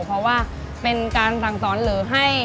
เพราะว่าเป็นการสั่งสอนหรือให้